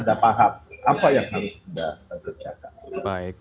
anda paham apa yang harus anda kerjakan